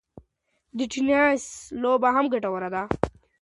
د ټینېس لوبه هم ګټوره ده.